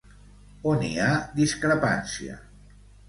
On hi ha discrepància?